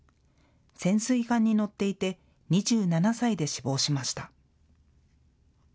潜水艦に乗っていて２７歳で死亡しました。